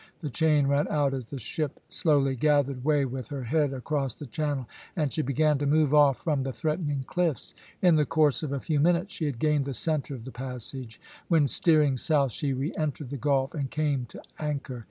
The chain ran out as the ship slowly gathered way with her head across the channel, and she began to move off from the threatening cliffs. In the course of a few minutes she had gained the centre of the passage, when steering south she re entered the gulf, and came to anchor.